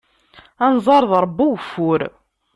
Anẓar d Ṛebbi n ugeffur.